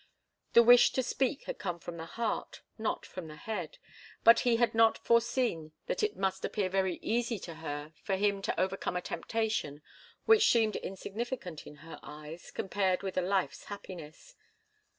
The wish to speak had come from the heart, not from the head. But he had not foreseen that it must appear very easy to her for him to overcome a temptation which seemed insignificant in her eyes, compared with a life's happiness.